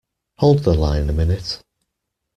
Hold the line a minute.